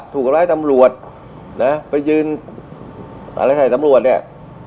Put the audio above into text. ถูกกับร้ายตำรวจไปยืนรายละทัยตำรวจเนี่ย